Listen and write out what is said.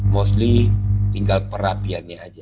mostly tinggal perapiannya aja